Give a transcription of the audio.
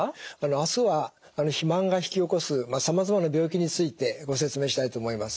明日は肥満が引き起こすさまざまな病気についてご説明したいと思います。